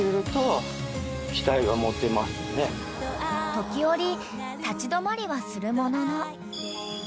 ［時折立ち止まりはするものの］